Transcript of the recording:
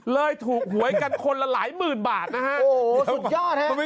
เลยถูกหวยกันคนละหลายหมื่นบาทนะฮะโอ้โหสุดยอดฮะ